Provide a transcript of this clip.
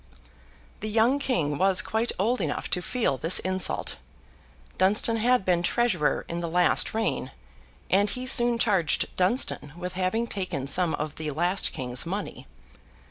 The young King was quite old enough to feel this insult. Dunstan had been Treasurer in the last reign, and he soon charged Dunstan with having taken some of the last king's money.